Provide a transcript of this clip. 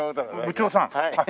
部長さん？